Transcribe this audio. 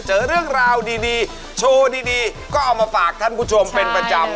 เจอเรื่องราวดีโชว์ดีก็เอามาฝากท่านผู้ชมเป็นประจำ